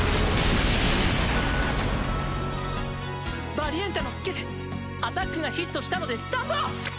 バリエンテのスキルアタックがヒットしたのでスタンド！